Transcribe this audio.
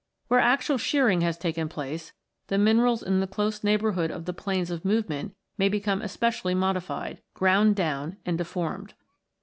Where actual shearing has taken place, the minerals in the close neighbourhood of the planes of movement may become especially modified, ground down, and deformed.